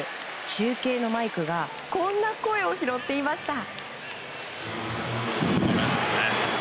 中継のマイクがこんな声を拾っていました。